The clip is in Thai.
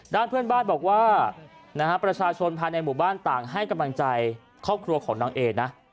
ด้านเพื่อนบ้านบอกว่าประชาชนภายในหมู่บ้านต่างให้กำลังใจครอบครัวของนางเอนะ